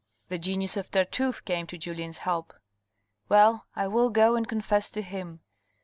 The genius of Tartuffe came to Julien's help. " Well, I will go and confess to him."